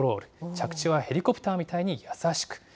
着地はヘリコプターみたいに優しく。